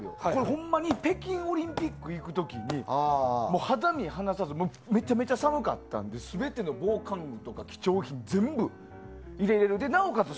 ほんまに北京オリンピックに行く時に肌身離さずめちゃくちゃ寒かったので全ての防寒具とか貴重品全部入れてなおかつ